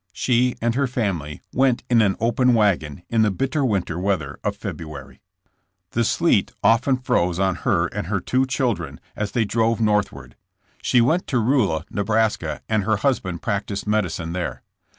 She and her family went in an open wagon in the bitter winter weather of February. The sleet often froze on her and her two little children as they drove northward. AFTER THE WAR. 63 She went to Rulla, Neb., and her husband practised medicine there.